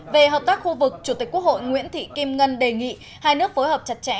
về hợp tác khu vực chủ tịch quốc hội nguyễn thị kim ngân đề nghị hai nước phối hợp chặt chẽ